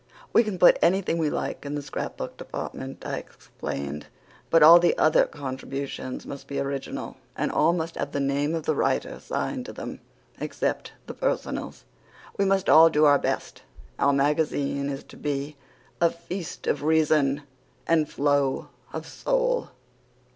"We can put anything we like in the scrap book department," I explained, "but all the other contributions must be original, and all must have the name of the writer signed to them, except the personals. We must all do our best. Our Magazine is to be 'a feast of reason and flow of soul."